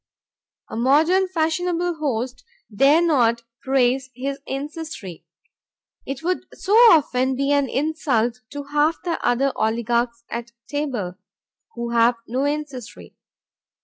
A modern fashionable host dare not praise his ancestry; it would so often be an insult to half the other oligarchs at table, who have no ancestry.